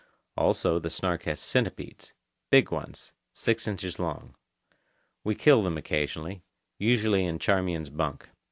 Also, the Snark has centipedes, big ones, six inches long. We kill them occasionally, usually in Charmian's bunk.